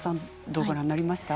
どうご覧になりました？